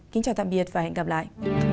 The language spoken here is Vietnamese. kính chào tạm biệt và hẹn gặp lại